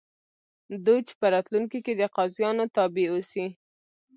دوج په راتلونکي کې د قاضیانو تابع اوسي